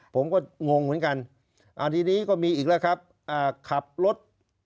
ผมก็งงเหมือนกันทีนี้ก็มีอีกแล้วครับขับรถ